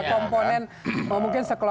itu kan masing masing internal